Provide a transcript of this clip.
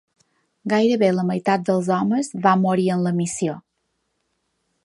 Gairebé la meitat dels homes van morir en la missió.